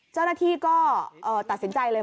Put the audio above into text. เจ้าหน้าที่ก็ตัดสินใจเลย